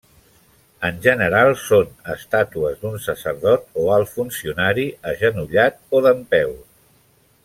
En general, són estàtues d'un sacerdot o alt funcionari, agenollat o dempeus.